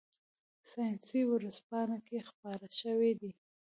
ساینسي ورځپاڼه کې خپاره شوي دي.